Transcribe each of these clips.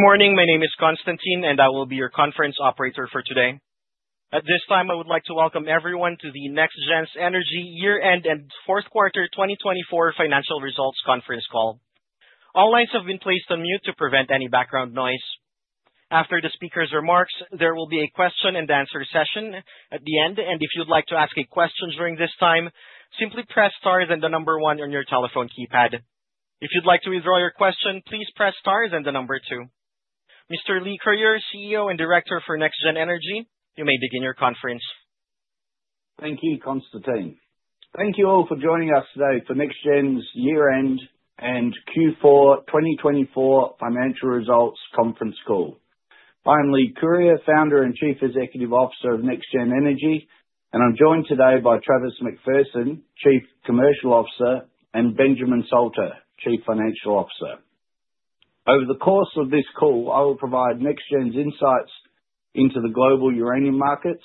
Good morning. My name is Constantine, and I will be your conference operator for today. At this time, I would like to welcome everyone to the NexGen Energy year-end and fourth quarter 2024 financial results conference call. All lines have been placed on mute to prevent any background noise. After the speaker's remarks, there will be a question-and-answer session at the end, and if you'd like to ask a question during this time, simply press star and the number one on your telephone keypad. If you'd like to withdraw your question, please press star and the number two. Mr. Leigh Curyer, CEO and Director for NexGen Energy, you may begin your conference. Thank you, Constantine. Thank you all for joining us today for NexGen's year-end and Q4 2024 financial results conference call. I'm Leigh Curyer, Founder and Chief Executive Officer of NexGen Energy, and I'm joined today by Travis McPherson, Chief Commercial Officer, and Benjamin Salter, Chief Financial Officer. Over the course of this call, I will provide NexGen's insights into the global uranium markets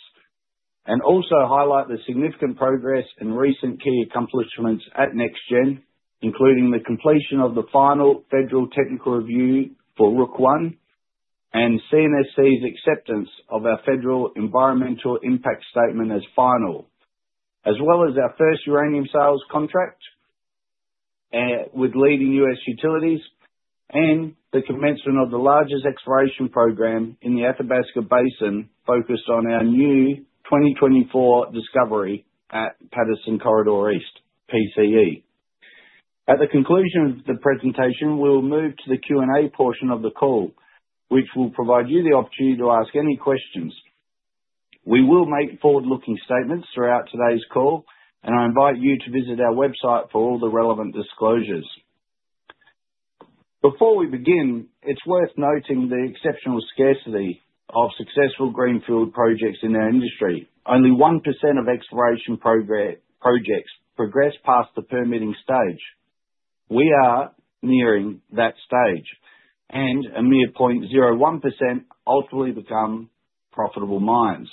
and also highlight the significant progress and recent key accomplishments at NexGen, including the completion of the final Federal technical review for Rook I and CNSC's acceptance of our Federal Environmental Impact Statement as final, as well as our first uranium sales contract with leading U.S. utilities and the commencement of the largest exploration program in the Athabasca Basin focused on our new 2024 discovery at Patterson Corridor East, PCE. At the conclusion of the presentation, we will move to the Q&A portion of the call, which will provide you the opportunity to ask any questions. We will make forward-looking statements throughout today's call, and I invite you to visit our website for all the relevant disclosures. Before we begin, it's worth noting the exceptional scarcity of successful greenfield projects in our industry. Only 1% of exploration projects progress past the permitting stage. We are nearing that stage, and a mere 0.01% ultimately become profitable mines.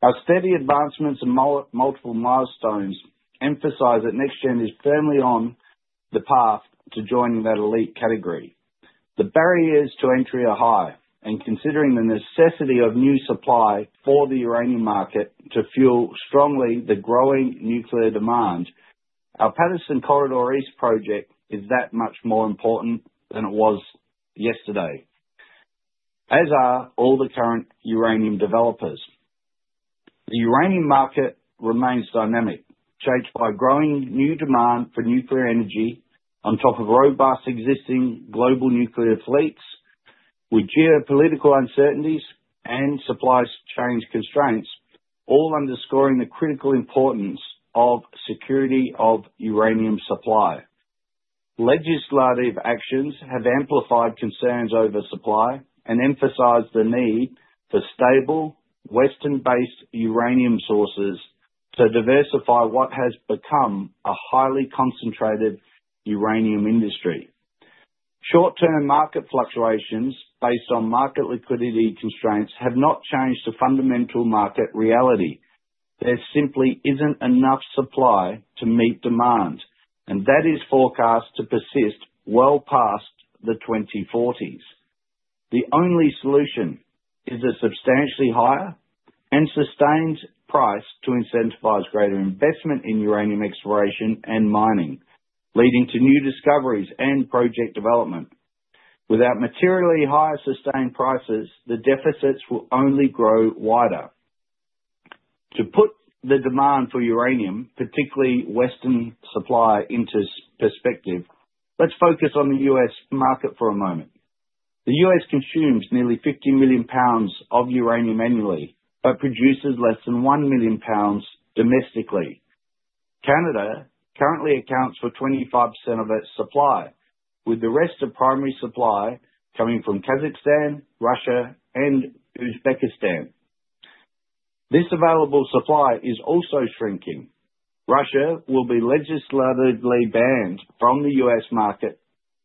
Our steady advancements and multiple milestones emphasize that NexGen is firmly on the path to joining that elite category. The barriers to entry are high, and considering the necessity of new supply for the uranium market to fuel strongly the growing nuclear demand, our Patterson Corridor East project is that much more important than it was yesterday, as are all the current uranium developers. The uranium market remains dynamic, shaped by growing new demand for nuclear energy on top of robust existing global nuclear fleets, with geopolitical uncertainties and supply chain constraints, all underscoring the critical importance of security of uranium supply. Legislative actions have amplified concerns over supply and emphasized the need for stable, Western-based uranium sources to diversify what has become a highly concentrated uranium industry. Short-term market fluctuations based on market liquidity constraints have not changed the fundamental market reality. There simply isn't enough supply to meet demand, and that is forecast to persist well past the 2040s. The only solution is a substantially higher and sustained price to incentivize greater investment in uranium exploration and mining, leading to new discoveries and project development. Without materially higher sustained prices, the deficits will only grow wider. To put the demand for uranium, particularly Western supply, into perspective, let's focus on the U.S. market for a moment. The U.S. consumes nearly 50 million lbs of uranium annually but produces less than 1 million lbs domestically. Canada currently accounts for 25% of its supply, with the rest of primary supply coming from Kazakhstan, Russia, and Uzbekistan. This available supply is also shrinking. Russia will be legislatively banned from the U.S. market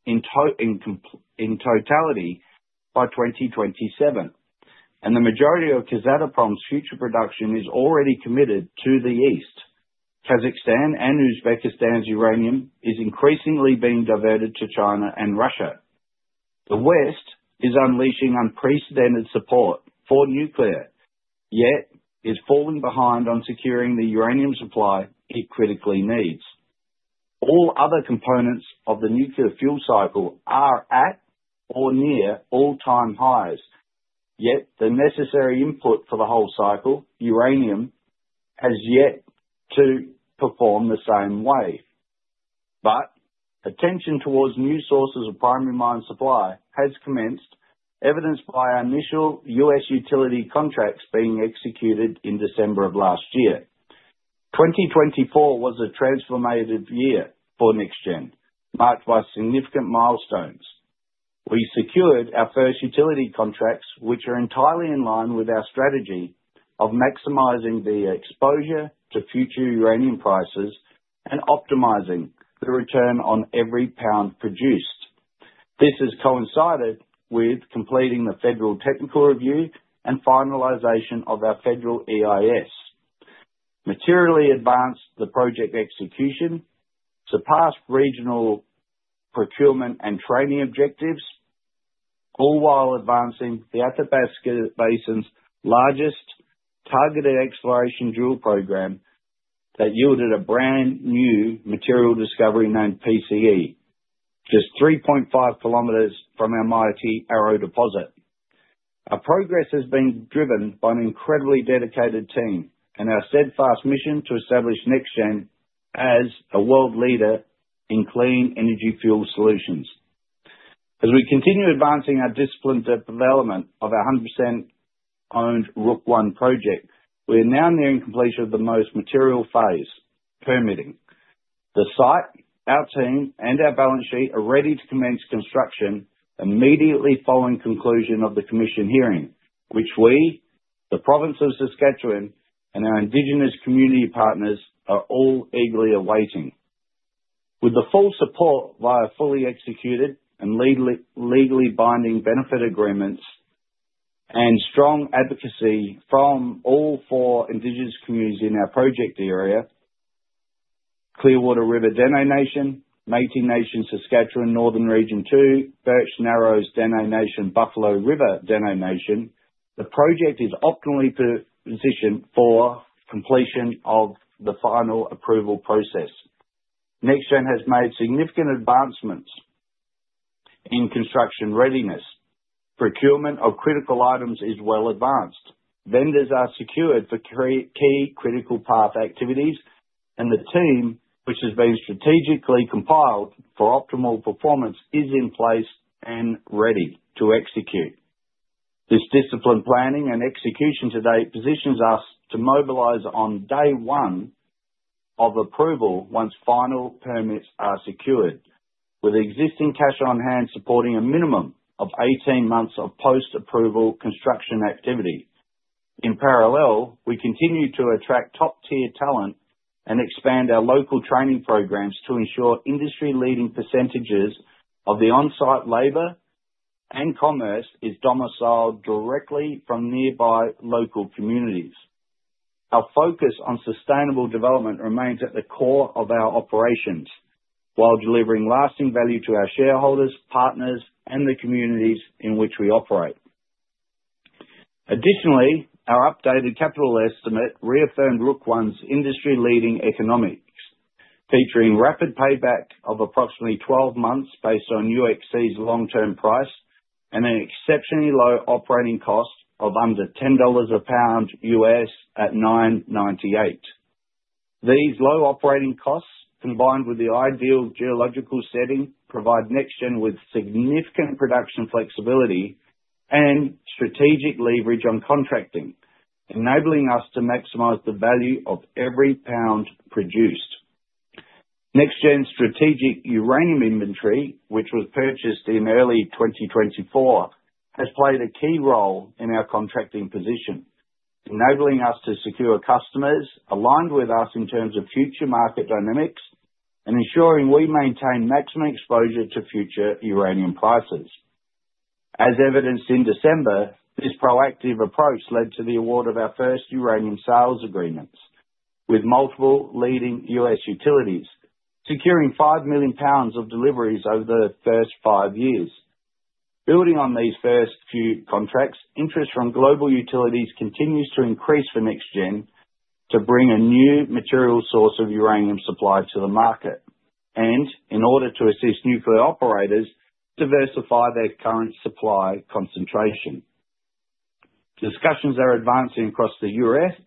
in totality by 2027, and the majority of Kazatomprom's future production is already committed to the East. Kazakhstan and Uzbekistan's uranium is increasingly being diverted to China and Russia. The West is unleashing unprecedented support for nuclear, yet is falling behind on securing the uranium supply it critically needs. All other components of the nuclear fuel cycle are at or near all-time highs, yet the necessary input for the whole cycle, uranium, has yet to perform the same way. But attention towards new sources of primary mine supply has commenced, evidenced by initial U.S. utility contracts being executed in December of last year. 2024 was a transformative year for NexGen, marked by significant milestones. We secured our first utility contracts, which are entirely in line with our strategy of maximizing the exposure to future uranium prices and optimizing the return on every pound produced. This has coincided with completing the Federal Technical Review and finalization of our Federal EIS. Materially advanced the project execution, surpassed regional procurement and training objectives, all while advancing the Athabasca Basin's largest targeted exploration drill program that yielded a brand-new material discovery known as PCE, just 3.5 km from our Arrow deposit. Our progress has been driven by an incredibly dedicated team and our steadfast mission to establish NexGen as a world leader in clean energy fuel solutions. As we continue advancing our disciplined development of our 100% owned Rook I project, we are now nearing completion of the most material phase: permitting. The site, our team, and our balance sheet are ready to commence construction immediately following conclusion of the commission hearing, which we, the province of Saskatchewan, and our Indigenous community partners are all eagerly awaiting. With the full support via fully executed and legally binding benefit agreements and strong advocacy from all four Indigenous communities in our project area, Clearwater River Dene Nation, Métis Nation–Saskatchewan Northern Region II, Birch Narrows Dene Nation, Buffalo River Dene Nation, the project is optimally positioned for completion of the final approval process. NexGen has made significant advancements in construction readiness. Procurement of critical items is well advanced. Vendors are secured for key critical path activities, and the team, which has been strategically compiled for optimal performance, is in place and ready to execute. This disciplined planning and execution today positions us to mobilize on day one of approval once final permits are secured, with existing cash on hand supporting a minimum of 18 months of post-approval construction activity. In parallel, we continue to attract top-tier talent and expand our local training programs to ensure industry-leading percentages of the on-site labor and commerce is domiciled directly from nearby local communities. Our focus on sustainable development remains at the core of our operations while delivering lasting value to our shareholders, partners, and the communities in which we operate. Additionally, our updated capital estimate reaffirmed Rook I's industry-leading economics, featuring rapid payback of approximately 12 months based on UxC's long-term price and an exceptionally low operating cost of under $10 a pound U.S. at $9.98. These low operating costs, combined with the ideal geological setting, provide NexGen with significant production flexibility and strategic leverage on contracting, enabling us to maximize the value of every pound produced. NexGen's strategic uranium inventory, which was purchased in early 2024, has played a key role in our contracting position, enabling us to secure customers aligned with us in terms of future market dynamics and ensuring we maintain maximum exposure to future uranium prices. As evidenced in December, this proactive approach led to the award of our first uranium sales agreements with multiple leading U.S. utilities, securing $5 million of deliveries over the first five years. Building on these first few contracts, interest from global utilities continues to increase for NexGen to bring a new material source of uranium supply to the market and, in order to assist nuclear operators, diversify their current supply concentration. Discussions are advancing across the U.S.,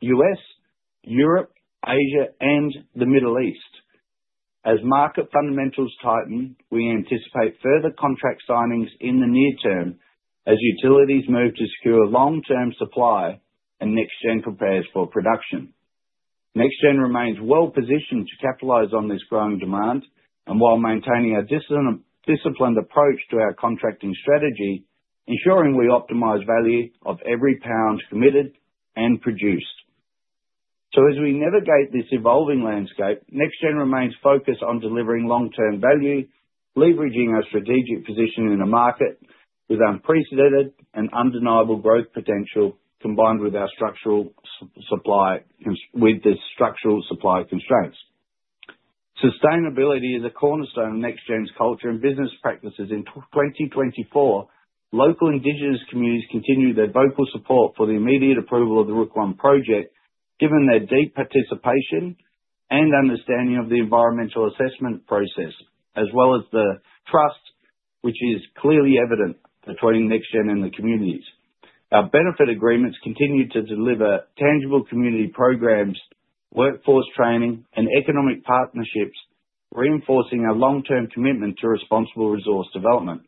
Europe, Asia, and the Middle East. As market fundamentals tighten, we anticipate further contract signings in the near term as utilities move to secure long-term supply and NexGen prepares for production. NexGen remains well positioned to capitalize on this growing demand and, while maintaining a disciplined approach to our contracting strategy, ensuring we optimize value of every pound committed and produced. As we navigate this evolving landscape, NexGen remains focused on delivering long-term value, leveraging our strategic position in a market with unprecedented and undeniable growth potential combined with our structural supply constraints. Sustainability is a cornerstone of NexGen's culture and business practices in 2024. Local Indigenous communities continue their vocal support for the immediate approval of the Rook I project, given their deep participation and understanding of the environmental assessment process, as well as the trust, which is clearly evident, between NexGen and the communities. Our benefit agreements continue to deliver tangible community programs, workforce training, and economic partnerships, reinforcing our long-term commitment to responsible resource development.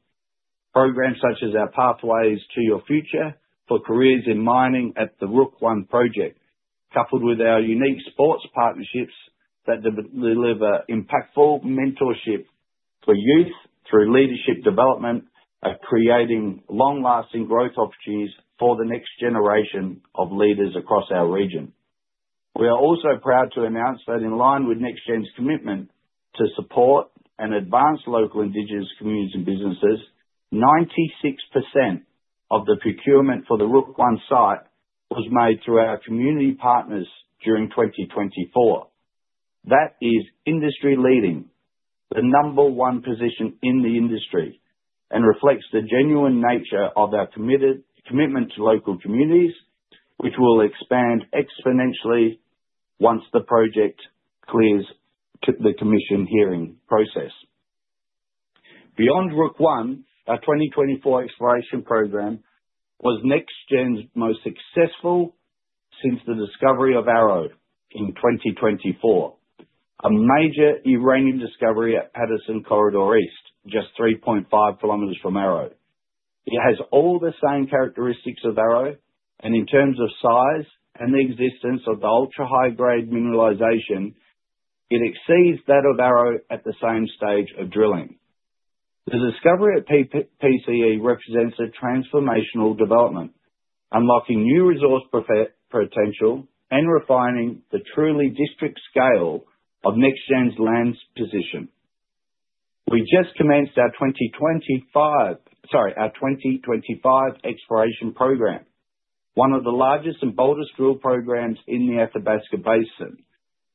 Programs such as our Pathways to Your Future for careers in mining at the Rook I project, coupled with our unique sports partnerships that deliver impactful mentorship for youth through leadership development, are creating long-lasting growth opportunities for the next generation of leaders across our region. We are also proud to announce that, in line with NexGen's commitment to support and advance local Indigenous communities and businesses, 96% of the procurement for the Rook I site was made through our community partners during 2024. That is industry-leading, the number one position in the industry, and reflects the genuine nature of our commitment to local communities, which will expand exponentially once the project clears the Commission Hearing process. Beyond Rook I, our 2024 exploration program was NexGen's most successful since the discovery of Arrow in 2024, a major uranium discovery at Patterson Corridor East, just 3.5 km from Arrow. It has all the same characteristics of Arrow, and in terms of size and the existence of the ultra-high-grade mineralization, it exceeds that of Arrow at the same stage of drilling. The discovery at PCE represents a transformational development, unlocking new resource potential and refining the truly district scale of NexGen's land position. We just commenced our 2025 exploration program, one of the largest and boldest drill programs in the Athabasca Basin,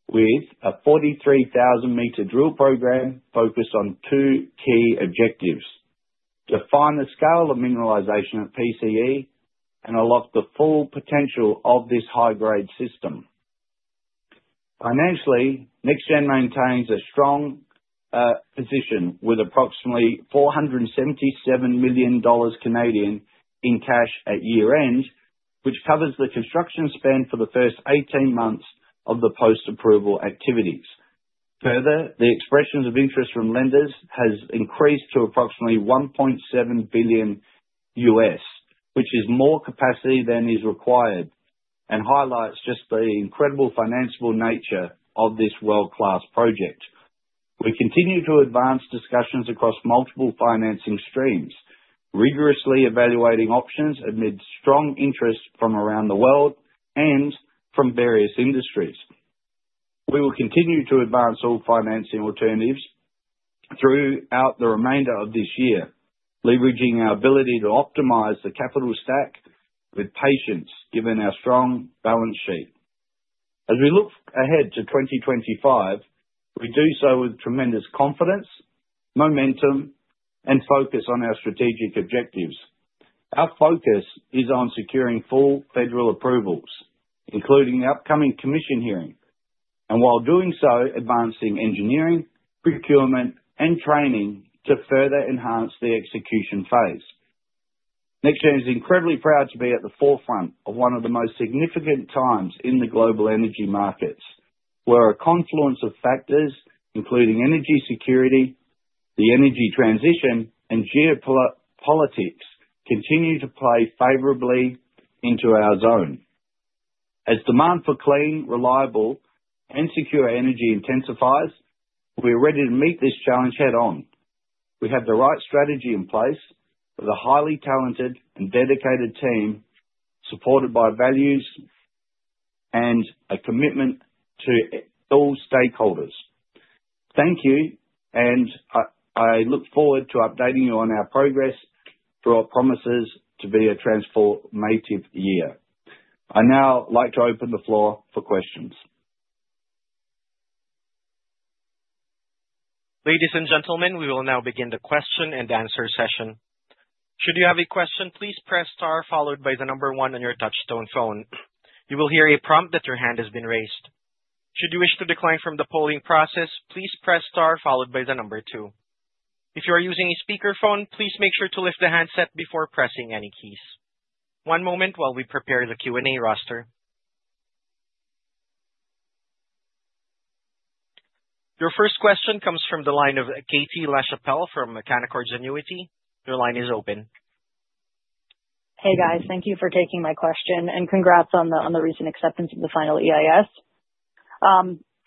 with a 43,000 m drill program focused on two key objectives: to find the scale of mineralization at PCE and unlock the full potential of this high-grade system. Financially, NexGen maintains a strong position with approximately 477 million Canadian dollars in cash at year-end, which covers the construction spend for the first 18 months of the post-approval activities. Further, the expressions of interest from lenders have increased to approximately $1.7 billion, which is more capacity than is required and highlights just the incredible financial nature of this world-class project. We continue to advance discussions across multiple financing streams, rigorously evaluating options amid strong interest from around the world and from various industries. We will continue to advance all financing alternatives throughout the remainder of this year, leveraging our ability to optimize the capital stack with patience, given our strong balance sheet. As we look ahead to 2025, we do so with tremendous confidence, momentum, and focus on our strategic objectives. Our focus is on securing full federal approvals, including the upcoming commission hearing, and while doing so, advancing engineering, procurement, and training to further enhance the execution phase. NexGen is incredibly proud to be at the forefront of one of the most significant times in the global energy markets, where a confluence of factors, including energy security, the energy transition, and geopolitics, continue to play favorably into our zone. As demand for clean, reliable, and secure energy intensifies, we are ready to meet this challenge head-on. We have the right strategy in place with a highly talented and dedicated team supported by values and a commitment to all stakeholders. Thank you, and I look forward to updating you on our progress through our promises to be a transformative year. I now like to open the floor for questions. Ladies and gentlemen, we will now begin the question and answer session. Should you have a question, please press star followed by the number one on your touch-tone phone. You will hear a prompt that your hand has been raised. Should you wish to decline from the polling process, please press star followed by the number two. If you are using a speakerphone, please make sure to lift the handset before pressing any keys. One moment while we prepare the Q&A roster. Your first question comes from the line of Katie Lachapelle from Canaccord Genuity. Your line is open. Hey, guys. Thank you for taking my question, and congrats on the recent acceptance of the final EIS.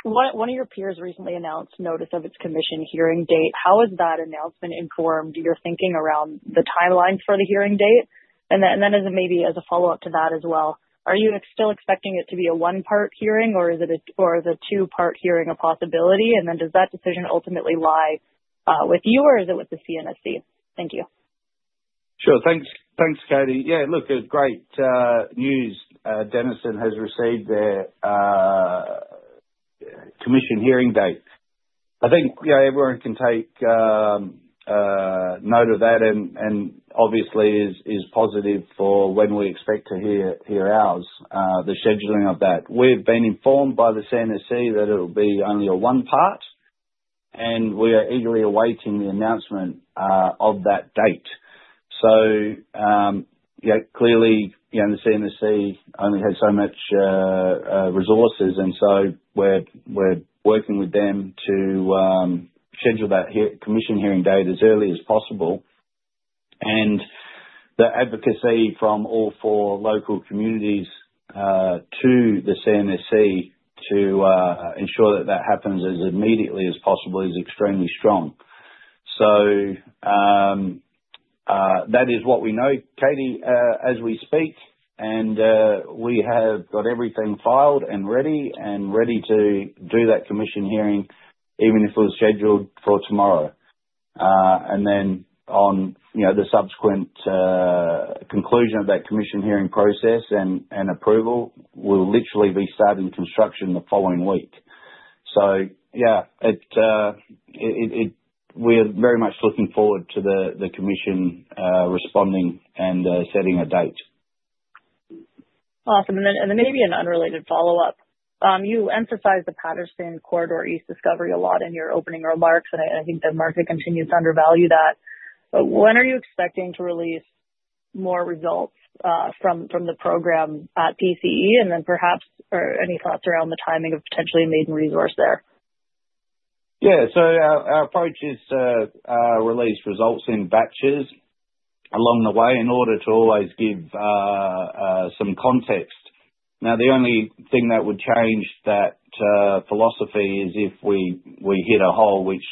One of your peers recently announced notice of its commission hearing date. How has that announcement informed your thinking around the timeline for the hearing date? And then, maybe as a follow-up to that as well, are you still expecting it to be a one-part hearing, or is a two-part hearing a possibility? And then, does that decision ultimately lie with you, or is it with the CNSC? Thank you. Sure. Thanks, Katie. Yeah, look, great news Denison has received their commission hearing date. I think everyone can take note of that and obviously is positive for when we expect to hear ours, the scheduling of that. We've been informed by the CNSC that it'll be only a one-part, and we are eagerly awaiting the announcement of that date. So, yeah, clearly, the CNSC only has so much resources, and so we're working with them to schedule that commission hearing date as early as possible. And the advocacy from all four local communities to the CNSC to ensure that that happens as immediately as possible is extremely strong. So, that is what we know, Katie, as we speak, and we have got everything filed and ready and ready to do that commission hearing even if it was scheduled for tomorrow. And then, on the subsequent conclusion of that commission hearing process and approval, we'll literally be starting construction the following week. So, yeah, we're very much looking forward to the commission responding and setting a date. Awesome. And then, maybe an unrelated follow-up. You emphasized the Patterson Corridor East discovery a lot in your opening remarks, and I think the market continues to undervalue that. But when are you expecting to release more results from the program at PCE? And then, perhaps, any thoughts around the timing of potentially a maiden resource there? Yeah. So, our approach is to release results in batches along the way in order to always give some context. Now, the only thing that would change that philosophy is if we hit a hole, which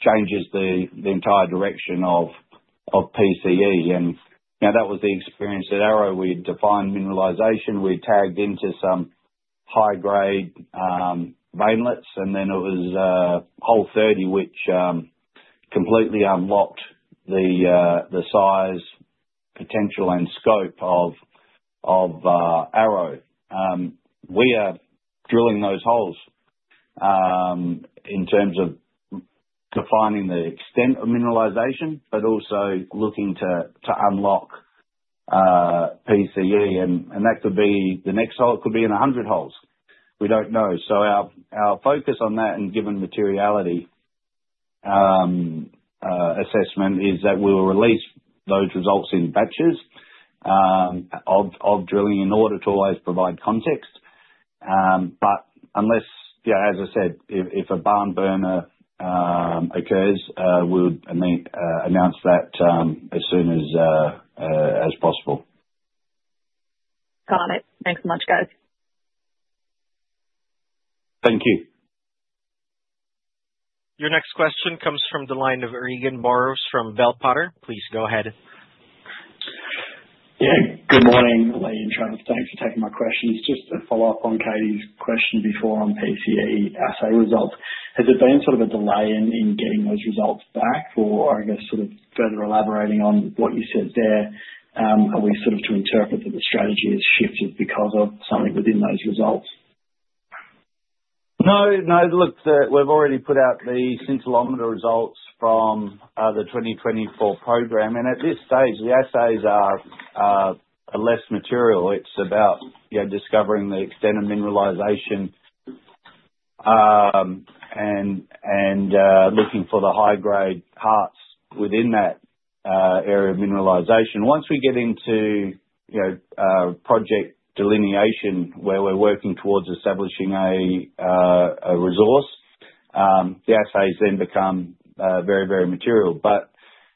changes the entire direction of PCE. And that was the experience at Arrow. We defined mineralization. We tagged into some high-grade veinlets, and then it was hole 30, which completely unlocked the size, potential, and scope of Arrow. We are drilling those holes in terms of defining the extent of mineralization, but also looking to unlock PCE. And that could be the next hole. It could be in 100 holes. We don't know. So, our focus on that, and given materiality assessment, is that we will release those results in batches of drilling in order to always provide context. But unless, as I said, if a barn burner occurs, we'll announce that as soon as possible. Got it. Thanks so much, guys. Thank you. Your next question comes from the line of Regan Burrows from Bell Potter. Please go ahead. Yeah. Good morning, Leigh and Travis. Thanks for taking my question. It's just a follow-up on Katie's question before on PCE assay results. Has there been sort of a delay in getting those results back? Or I guess sort of further elaborating on what you said there, are we sort of to interpret that the strategy has shifted because of something within those results? No. No. Look, we've already put out the scintillometer results from the 2024 program. And at this stage, the assays are less material. It's about discovering the extent of mineralization and looking for the high-grade parts within that area of mineralization. Once we get into project delineation, where we're working towards establishing a resource, the assays then become very, very material. But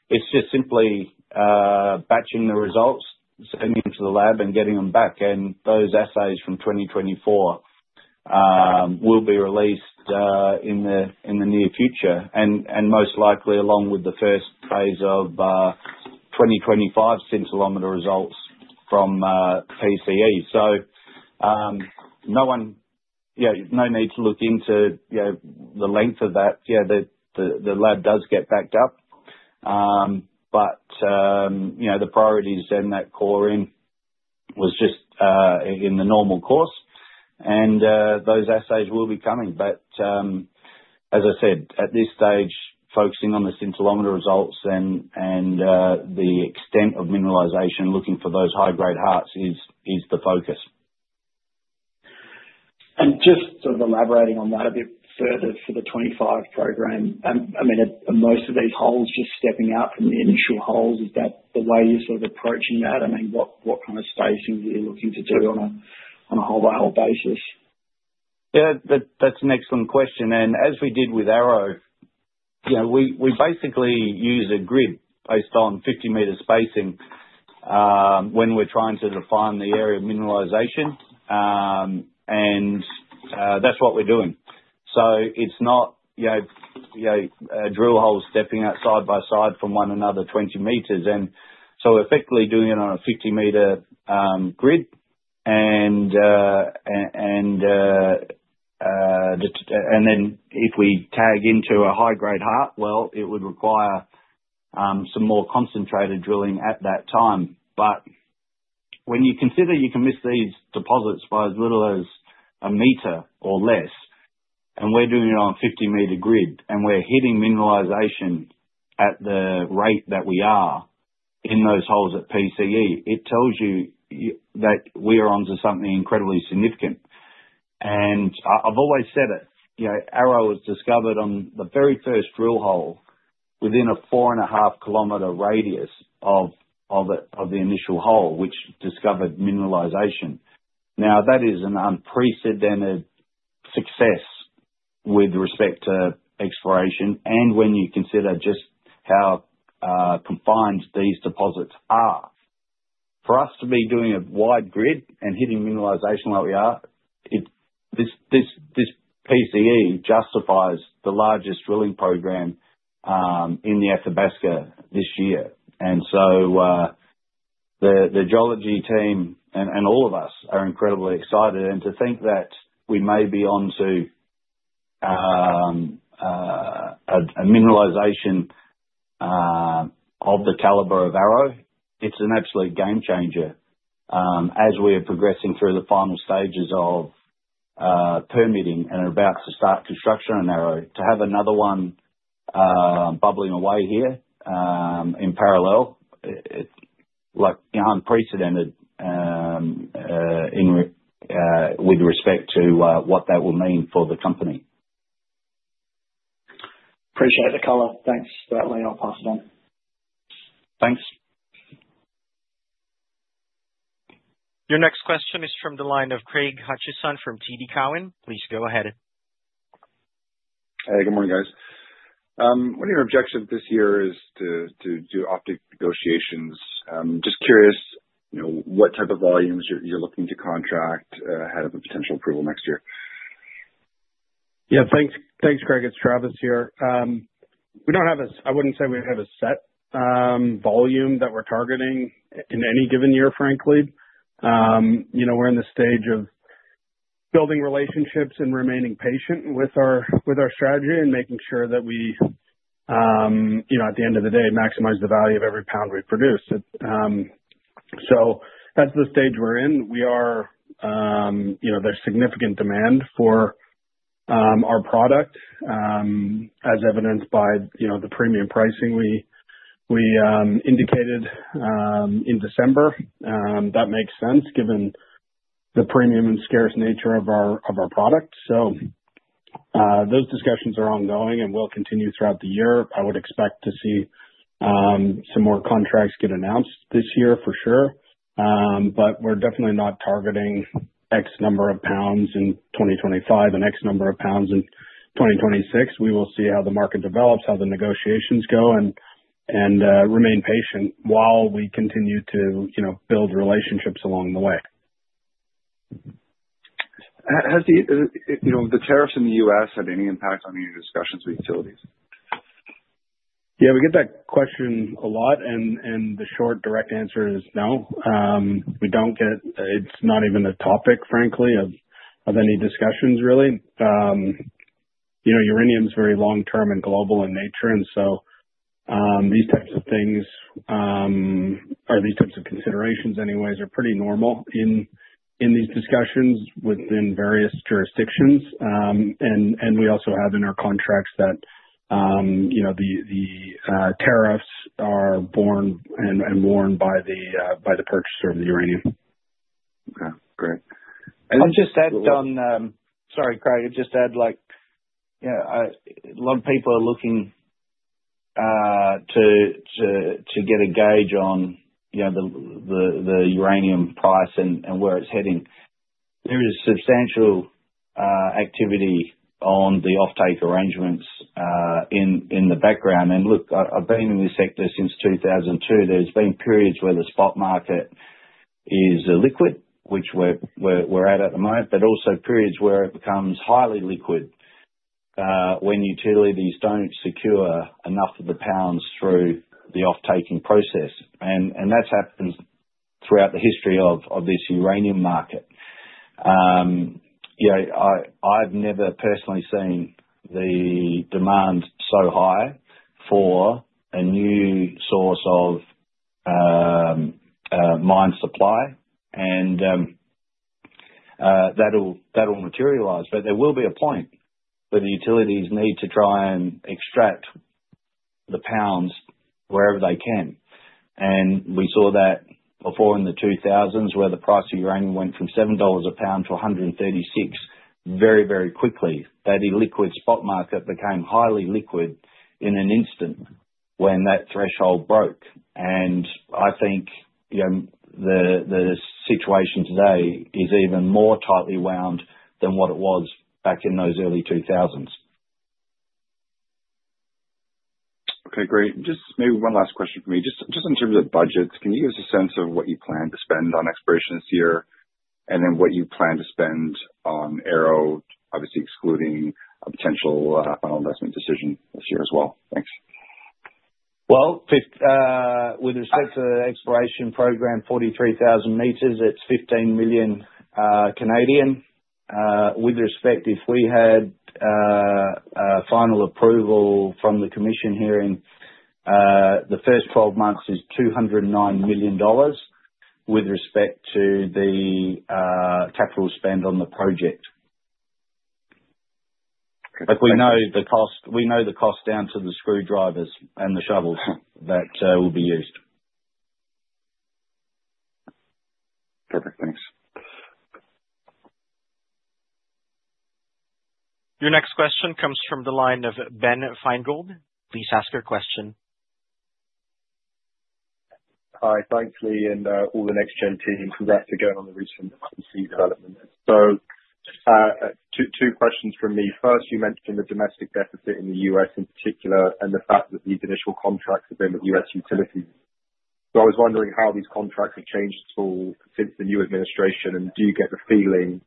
it's just simply batching the results, sending them to the lab, and getting them back. And those assays from 2024 will be released in the near future, and most likely along with the first phase of 2025 scintillometer results from PCE. So, yeah, no need to look into the length of that. Yeah, the lab does get backed up. But the priorities, then, that coring was just in the normal course. And those assays will be coming. But as I said, at this stage, focusing on the scintillometer results and the extent of mineralization, looking for those high-grade hits is the focus. And just sort of elaborating on that a bit further for the 2025 program, I mean, are most of these holes just stepping out from the initial holes? Is that the way you're sort of approaching that? I mean, what kind of spacing are you looking to do on a hole-by-hole basis? Yeah. That's an excellent question. And as we did with Arrow, we basically use a grid based on 50 m spacing when we're trying to define the area of mineralization. And that's what we're doing. So, it's not a drill hole stepping out side by side from one another 20 m. And so, effectively, doing it on a 50 m grid. And then, if we tap into a high-grade core, well, it would require some more concentrated drilling at that time. But when you consider you can miss these deposits by as little as a meter or less, and we're doing it on a 50 m grid, and we're hitting mineralization at the rate that we are in those holes at PCE, it tells you that we are onto something incredibly significant. And I've always said it. Arrow was discovered on the very first drill hole within a 4.5 km radius of the initial hole, which discovered mineralization. Now, that is an unprecedented success with respect to exploration and when you consider just how confined these deposits are. For us to be doing a wide grid and hitting mineralization where we are, this PCE justifies the largest drilling program in the Athabasca this year. And so, the geology team and all of us are incredibly excited. And to think that we may be onto a mineralization of the caliber of Arrow, it's an absolute game-changer. As we are progressing through the final stages of permitting and are about to start construction on Arrow, to have another one bubbling away here in parallel is unprecedented with respect to what that will mean for the company. Appreciate the color. Thanks. With that, I'll pass it on. Thanks. Your next question is from the line of Craig Hutchison from TD Cowen. Please go ahead. Hey, good morning, guys. One of your objectives this year is to do offtake negotiations. Just curious what type of volumes you're looking to contract ahead of the potential approval next year. Yeah. Thanks, Craig. It's Travis here. We don't have a—I wouldn't say we have a set volume that we're targeting in any given year, frankly. We're in the stage of building relationships and remaining patient with our strategy and making sure that we, at the end of the day, maximize the value of every pound we produce. So, that's the stage we're in. There's significant demand for our product, as evidenced by the premium pricing we indicated in December. That makes sense given the premium and scarce nature of our product. So, those discussions are ongoing and will continue throughout the year. I would expect to see some more contracts get announced this year for sure. But we're definitely not targeting X number of pounds in 2025 and X number of pounds in 2026. We will see how the market develops, how the negotiations go, and remain patient while we continue to build relationships along the way. Has the tariffs in the U.S. had any impact on any discussions with utilities? Yeah. We get that question a lot. And the short, direct answer is no. It's not even a topic, frankly, of any discussions, really. Uranium is very long-term and global in nature. And so, these types of things or these types of considerations anyways are pretty normal in these discussions within various jurisdictions. And we also have in our contracts that the tariffs are borne by the purchaser of the uranium. Okay. Great. And just add on, sorry, Craig. Just add, yeah, a lot of people are looking to get a gauge on the uranium price and where it's heading. There is substantial activity on the offtake arrangements in the background. And look, I've been in this sector since 2002. There's been periods where the spot market is liquid, which we're at at the moment, but also periods where it becomes highly liquid when utilities don't secure enough of the pounds through the off taking process. And that's happened throughout the history of this uranium market. I've never personally seen the demand so high for a new source of mine supply. And that'll materialize. But there will be a point where the utilities need to try and extract the pounds wherever they can. And we saw that before in the 2000s where the price of uranium went from $7 a pound to $136 very, very quickly. That illiquid spot market became highly liquid in an instant when that threshold broke. And I think the situation today is even more tightly wound than what it was back in those early 2000s. Okay. Great. Just maybe one last question for me. Just in terms of budgets, can you give us a sense of what you plan to spend on exploration this year and then what you plan to spend on Arrow, obviously excluding a potential final investment decision this year as well? Thanks. With respect to the exploration program, 43,000 m, it's 15 million. With respect, if we had final approval from the commission here in the first 12 months, it's 209 million dollars with respect to the capital spend on the project. But we know the cost. We know the cost down to the screwdrivers and the shovels that will be used. Perfect. Thanks. Your next question comes from the line of Ben Finegold. Please ask your question. Hi, thanks, Leigh, and all the NexGen team. Congrats again on the recent PCE development. So, two questions from me. First, you mentioned the domestic deficit in the U.S. in particular and the fact that these initial contracts have been with U.S. utilities. So, I was wondering how these contracts have changed since the new administration. And do you get the feeling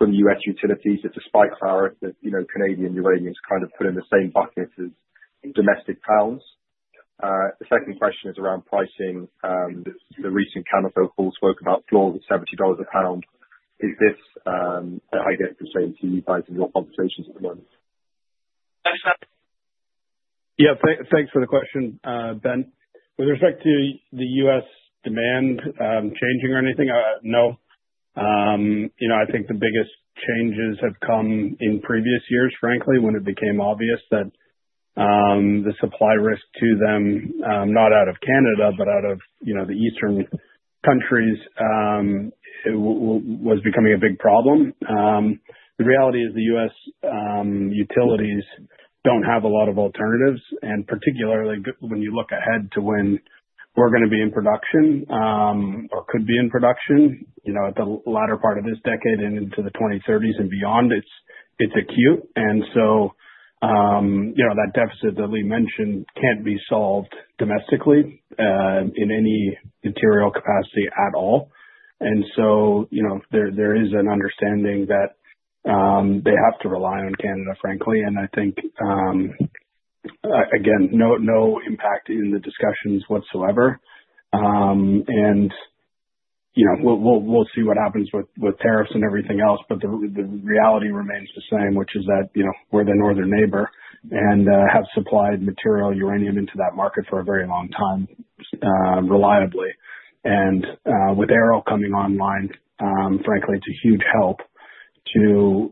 from U.S. utilities that despite the politics, Canadian uranium is kind of put in the same bucket as domestic pounds? The second question is around pricing. The recent consensus call spoke about floors at $70 a pound. Is this an idea that's the same to you guys in your conversations at the moment? Yeah. Thanks for the question, Ben. With respect to the U.S. demand changing or anything, no. I think the biggest changes have come in previous years, frankly, when it became obvious that the supply risk to them, not out of Canada, but out of the Eastern countries, was becoming a big problem. The reality is the U.S. utilities don't have a lot of alternatives. And particularly when you look ahead to when we're going to be in production or could be in production at the latter part of this decade and into the 2030s and beyond, it's acute. And so, that deficit that Leigh mentioned can't be solved domestically in any material capacity at all. And so, there is an understanding that they have to rely on Canada, frankly. And I think, again, no impact in the discussions whatsoever. And we'll see what happens with tariffs and everything else. But the reality remains the same, which is that we're their northern neighbor and have supplied material uranium into that market for a very long time reliably. And with Arrow coming online, frankly, it's a huge help to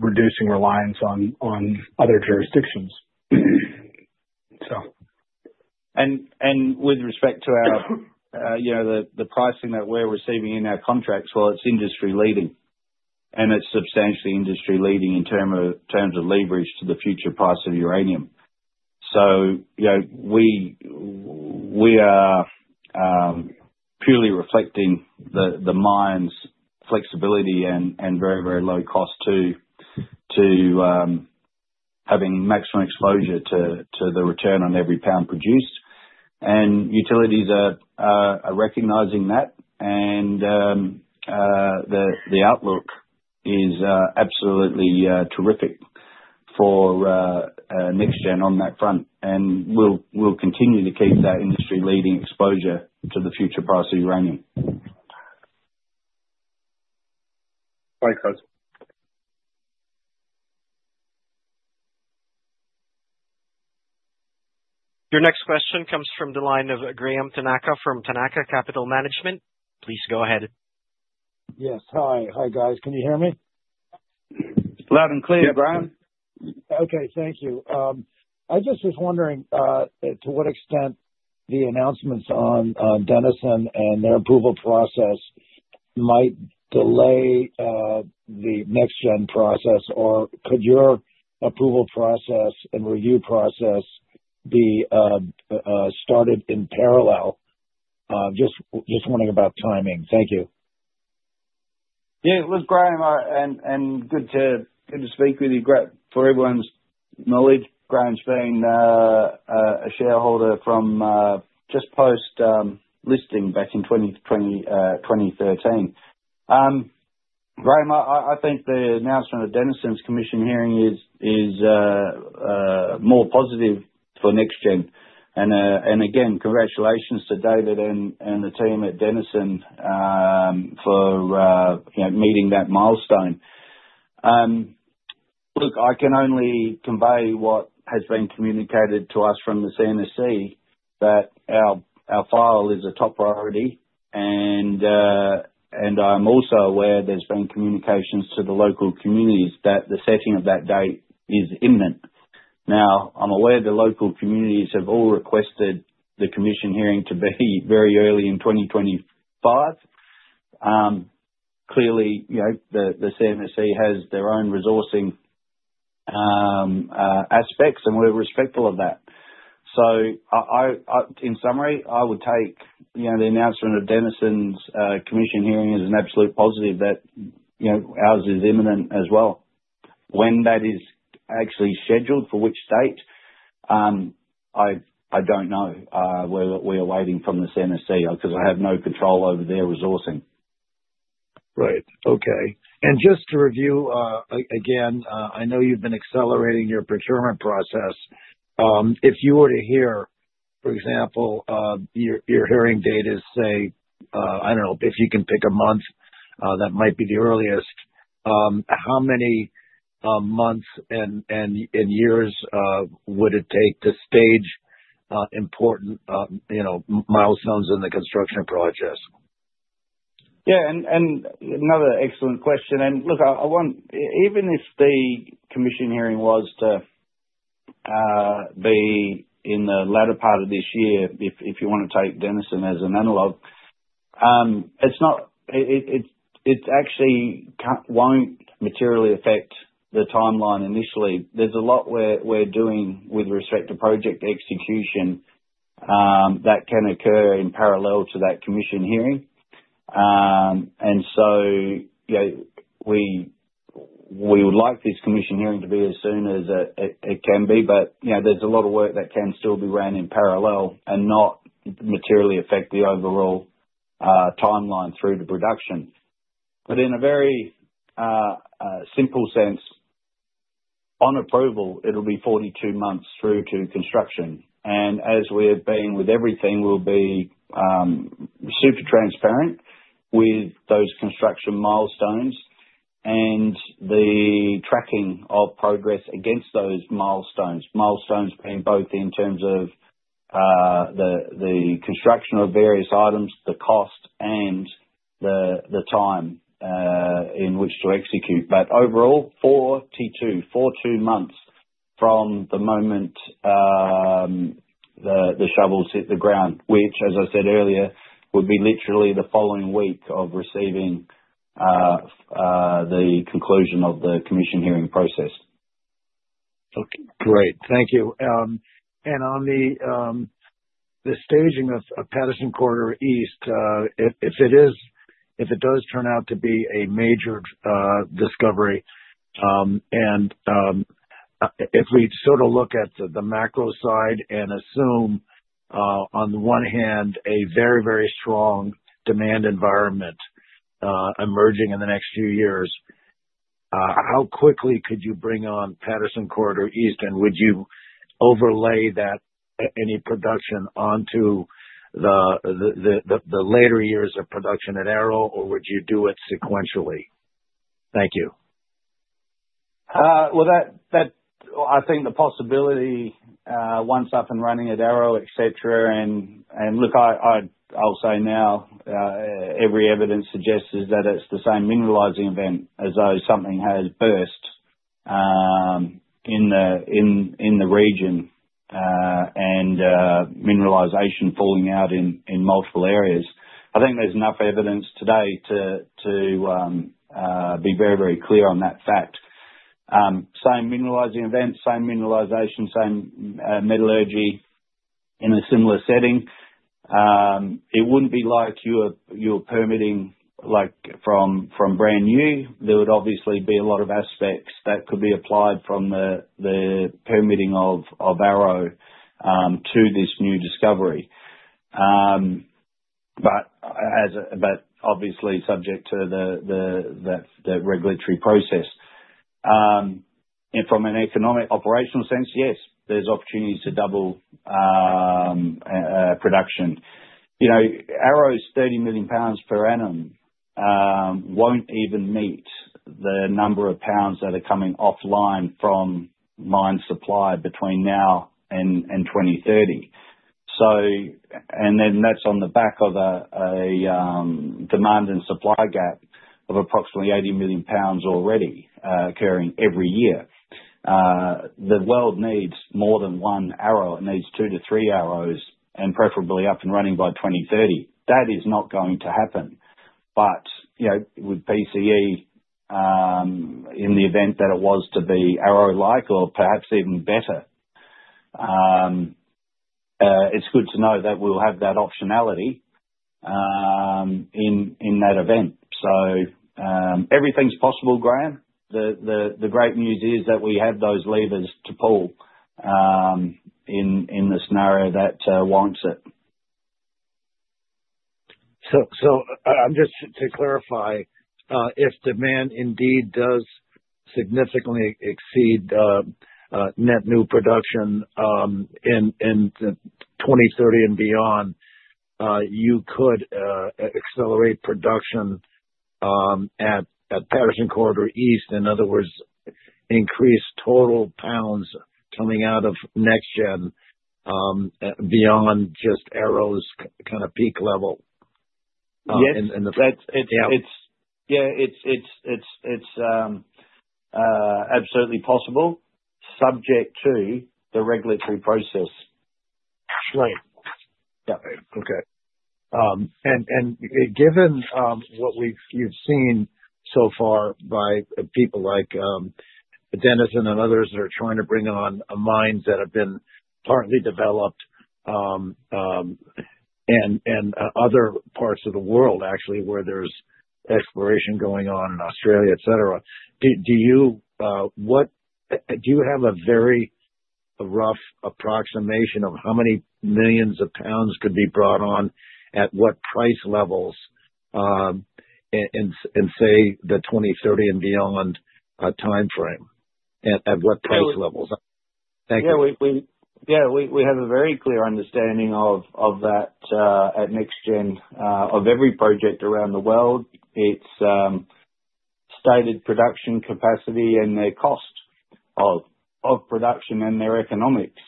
reducing reliance on other jurisdictions, so. With respect to the pricing that we're receiving in our contracts, well, it's industry-leading. And it's substantially industry-leading in terms of leverage to the future price of uranium. So, we are purely reflecting the mine's flexibility and very, very low cost to having maximum exposure to the return on every pound produced. And utilities are recognizing that. And the outlook is absolutely terrific for NexGen on that front. And we'll continue to keep that industry-leading exposure to the future price of uranium. Thanks, guys. Your next question comes from the line of Graham Tanaka from Tanaka Capital Management. Please go ahead. Yes. Hi, guys. Can you hear me? Loud and clear, Graham. Okay. Thank you. I just was wondering to what extent the announcements on Denison and their approval process might delay the NexGen process, or could your approval process and review process be started in parallel? Just wondering about timing. Thank you. Yeah. It was Graham. And good to speak with you. For everyone's knowledge, Graham's been a shareholder from just post-listing back in 2013. Graham, I think the announcement of Denison's Commission Hearing is more positive for NexGen. And again, congratulations to David and the team at Denison for meeting that milestone. Look, I can only convey what has been communicated to us from the CNSC that our file is a top priority. And I'm also aware there's been communications to the local communities that the setting of that date is imminent. Now, I'm aware the local communities have all requested the Commission Hearing to be very early in 2025. Clearly, the CNSC has their own resourcing aspects, and we're respectful of that. So, in summary, I would take the announcement of Denison's Commission Hearing as an absolute positive that ours is imminent as well. When that is actually scheduled for which date, I don't know. We are waiting for the CNSC because I have no control over their resourcing. Right. Okay. And just to review again, I know you've been accelerating your procurement process. If you were to hear, for example, your hearing date is, say, I don't know, if you can pick a month, that might be the earliest, how many months and years would it take to stage important milestones in the construction projects? Yeah. And another excellent question. And look, even if the commission hearing was to be in the latter part of this year, if you want to take Denison as an analog, it actually won't materially affect the timeline initially. There's a lot we're doing with respect to project execution that can occur in parallel to that commission hearing. We would like this Commission Hearing to be as soon as it can be. But there's a lot of work that can still be run in parallel and not materially affect the overall timeline through to production. But in a very simple sense, on approval, it'll be 42 months through to construction. And as we have been with everything, we'll be super transparent with those construction milestones and the tracking of progress against those milestones, milestones being both in terms of the construction of various items, the cost, and the time in which to execute. But overall, 42 months from the moment the shovels hit the ground, which, as I said earlier, would be literally the following week of receiving the conclusion of the Commission Hearing process. Okay. Great. Thank you. On the staging of Patterson Corridor East, if it does turn out to be a major discovery and if we sort of look at the macro side and assume, on the one hand, a very, very strong demand environment emerging in the next few years, how quickly could you bring on Patterson Corridor East? And would you overlay that any production onto the later years of production at Arrow, or would you do it sequentially? Thank you. I think the possibility, once up and running at Arrow, etc. Look, I'll say now, every evidence suggests that it's the same mineralizing event as though something has burst in the region and mineralization falling out in multiple areas. I think there's enough evidence today to be very, very clear on that fact. Same mineralizing event, same mineralization, same metallurgy in a similar setting. It wouldn't be like you're permitting from brand new. There would obviously be a lot of aspects that could be applied from the permitting of Arrow to this new discovery, but obviously subject to that regulatory process. And from an economic operational sense, yes, there's opportunities to double production. Arrow's 30 million lbs per annum won't even meet the number of pounds that are coming offline from mine supply between now and 2030. And then that's on the back of a demand and supply gap of approximately 80 million lbs already occurring every year. The world needs more than one Arrow. It needs two to three Arrows and preferably up and running by 2030. That is not going to happen. But with PCE, in the event that it was to be Arrow-like or perhaps even better, it's good to know that we'll have that optionality in that event. So everything's possible, Graham. The great news is that we have those levers to pull in the scenario that warrants it. So to clarify, if demand indeed does significantly exceed net new production in 2030 and beyond, you could accelerate production at Patterson Corridor East. In other words, increase total pounds coming out of NexGen beyond just Arrow's kind of peak level. Yes. Yeah. It's absolutely possible subject to the regulatory process. Right. Okay. And given what you've seen so far by people like Denison and others that are trying to bring on mines that have been partly developed and other parts of the world actually where there's exploration going on in Australia, etc., do you have a very rough approximation of how many millions of pounds could be brought on at what price levels in, say, the 2030 and beyond timeframe? At what price levels? Thank you. Yeah. We have a very clear understanding of that at NexGen of every project around the world. It's stated production capacity and their cost of production and their economics.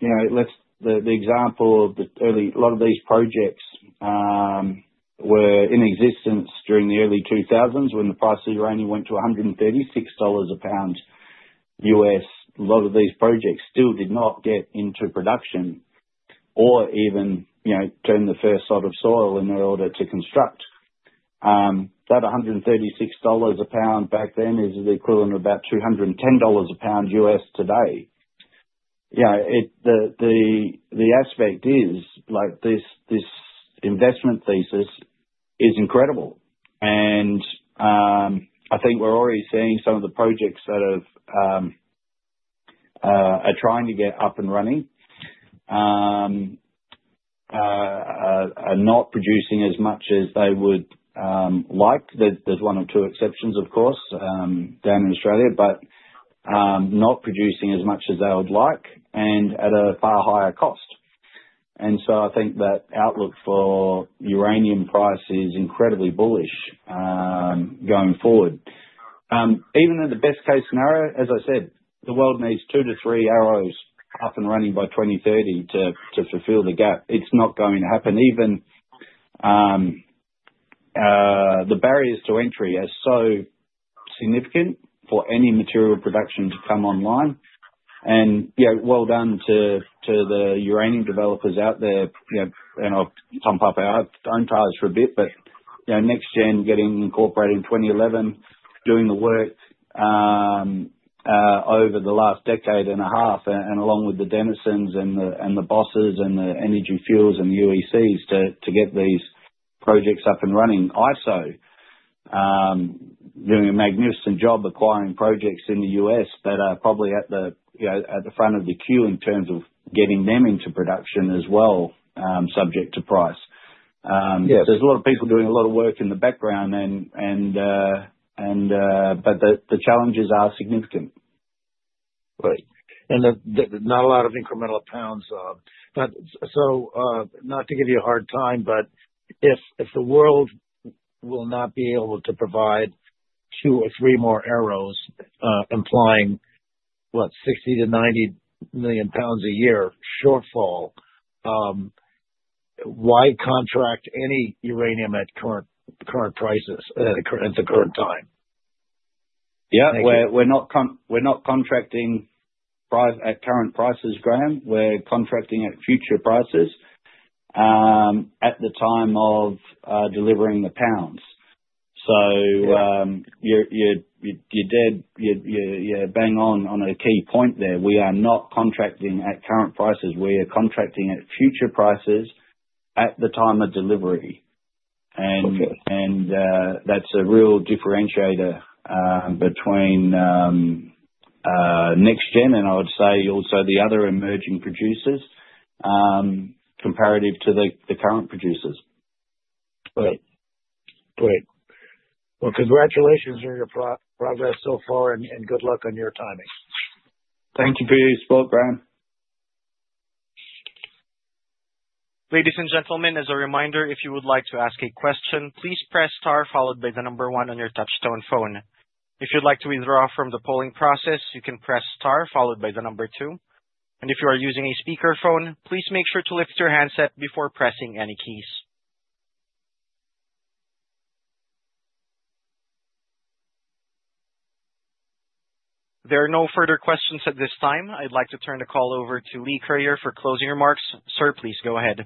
The example of a lot of these projects were in existence during the early 2000s when the price of uranium went to $136 a pound U.S. A lot of these projects still did not get into production or even turn the first lot of soil in order to construct. That $136 a pound back then is the equivalent of about $210 a pound U.S. today. The aspect is this investment thesis is incredible. I think we're already seeing some of the projects that are trying to get up and running are not producing as much as they would like. There's one or two exceptions, of course, down in Australia, but not producing as much as they would like and at a far higher cost. And so I think that outlook for uranium price is incredibly bullish going forward. Even in the best-case scenario, as I said, the world needs two to three Arrows up and running by 2030 to fulfill the gap. It's not going to happen. Even the barriers to entry are so significant for any material production to come online. And well done to the uranium developers out there. And I'll pump up our own tires for a bit, but NexGen getting incorporated in 2011, doing the work over the last decade and a half, and along with the Denisons and the Bosses and the Energy Fuels and the UECs to get these projects up and running. Iso doing a magnificent job acquiring projects in the U.S. that are probably at the front of the queue in terms of getting them into production as well, subject to price. There's a lot of people doing a lot of work in the background, but the challenges are significant. Right, and not a lot of incremental pounds. So not to give you a hard time, but if the world will not be able to provide two or three more Arrows implying, what, $60 million pounds-$90 million pounds a year shortfall, why contract any uranium at current prices at the current time? Yeah. We're not contracting at current prices, Graham. We're contracting at future prices at the time of delivering the pounds. So you bang on a key point there. We are not contracting at current prices. We are contracting at future prices at the time of delivery. And that's a real differentiator between NexGen and I would say also the other emerging producers compared to the current producers. Right. Great. Well, congratulations on your progress so far and good luck on your timing. Thank you for your support, Graham. Ladies and gentlemen, as a reminder, if you would like to ask a question, please press star followed by the number one on your touch-tone phone. If you'd like to withdraw from the polling process, you can press star followed by the number two. And if you are using a speakerphone, please make sure to lift your handset before pressing any keys. There are no further questions at this time. I'd like to turn the call over to Leigh Curyer for closing remarks. Sir, please go ahead.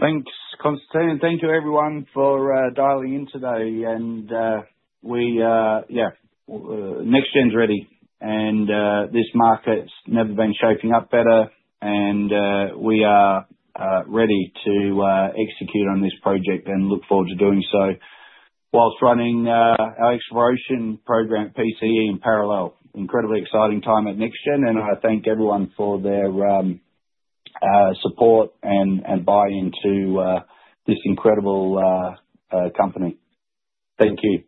Thanks, Constantine. Thank you, everyone, for dialing in today. And yeah, NexGen's ready. And this market's never been shaping up better. We are ready to execute on this project and look forward to doing so while running our exploration program, PCE, in parallel. Incredibly exciting time at NexGen. I thank everyone for their support and buy-in to this incredible company. Thank you.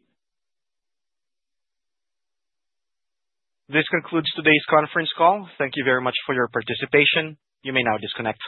This concludes today's conference call. Thank you very much for your participation. You may now disconnect.